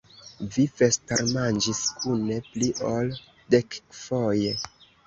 Ni vespermanĝis kune pli ol dekfoje!